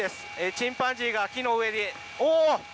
チンパンジーが木の上に。